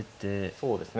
そうですね。